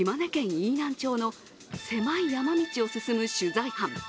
飯南町の狭い山道を進む取材班。